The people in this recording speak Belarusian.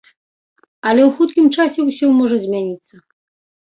Але ў хуткім часе ўсё можа змяніцца.